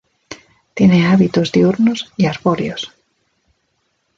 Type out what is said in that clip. Tiene hábitos diurnos y arbóreos.